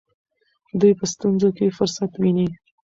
دوی په ستونزو کې فرصت ویني.